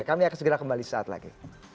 kami akan segera kembali saat lagi